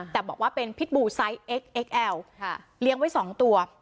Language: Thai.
แต่บอกว่าเป็นพิษบูไซส์เอ็กเอ็กแอลเลี้ยงไว้๒ตัว